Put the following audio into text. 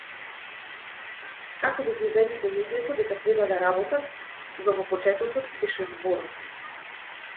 Како да ги убедите луѓето дека треба да работат, кога во почетокот беше зборот?